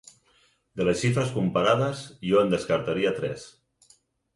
De les xifres comparades, jo en destacaria tres.